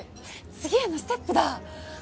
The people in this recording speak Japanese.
次へのステップだ。